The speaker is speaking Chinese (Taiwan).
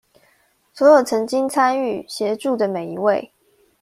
所有曾經參與、協助的每一位